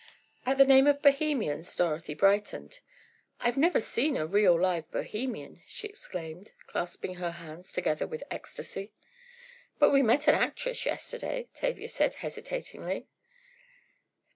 At the name of "Bohemians" Dorothy brightened. "I've never seen a real, live Bohemian!" she exclaimed, clasping her hands together with ecstasy. "But we met an actress yesterday," Tavia said, hesitatingly.